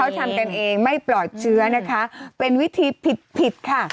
ทำกันเองไม่ปลอดเชื้อนะคะเป็นวิธีผิดค่ะ